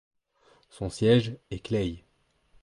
Son siège est Clay.